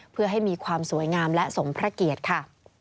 เพื่อให้มีความสวยงามและสมพระเกียรติค่ะ